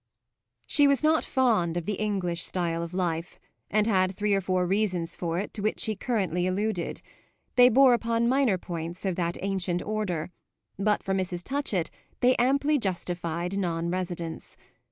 She was not fond of the English style of life, and had three or four reasons for it to which she currently alluded; they bore upon minor points of that ancient order, but for Mrs. Touchett they amply justified non residence.